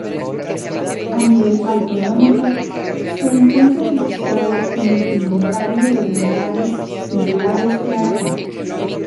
A nivel autonómico, se encuentra registrado en el Inventario de Humedales Singulares de Aragón.